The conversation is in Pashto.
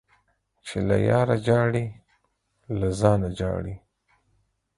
چي له ياره ژاړې ، له ځانه ژاړې.